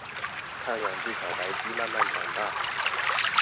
看兩隻小白雞慢慢長大